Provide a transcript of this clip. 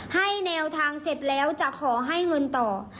ให้แนวทางเสร็จแล้วจะขอให้เงินต่อ